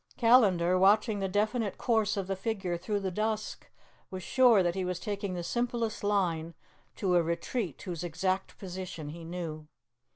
Callandar, watching the definite course of the figure through the dusk, was sure that he was taking the simplest line to a retreat whose exact position he knew.